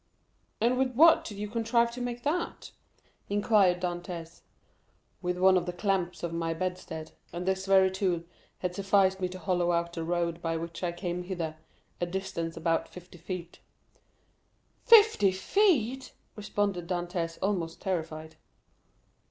"And with what did you contrive to make that?" inquired Dantès. "With one of the clamps of my bedstead; and this very tool has sufficed me to hollow out the road by which I came hither, a distance of about fifty feet." "Fifty feet!" responded Dantès, almost terrified.